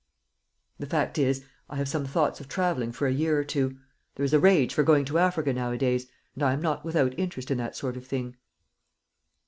The fact is, I have some thoughts of travelling for a year or two. There is a rage for going to Africa nowadays, and I am not without interest in that sort of thing."